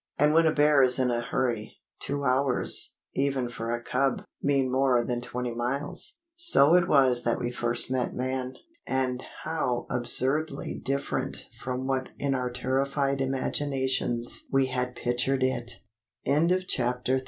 And when a bear is in a hurry, two hours, even for a cub, mean more than twenty miles. So it was that we first met man. And how absurdly different from what in our terrified imaginations we had pictured it! CHAPTER IV THE FORES